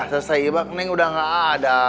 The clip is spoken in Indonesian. selesai ibak neng udah gak ada